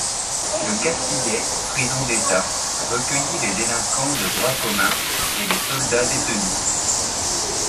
Le Castillet, prison d'État, recueillit les délinquants de droit commun et les soldats détenus.